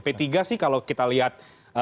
p tiga sih kalau kita lihat